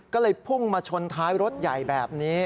ก็เลยพุ่งมาชนท้ายรถใหญ่แบบนี้